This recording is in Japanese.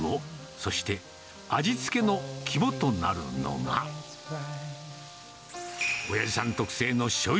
そして味付けの肝となるのが、おやじさん特製のしょうゆ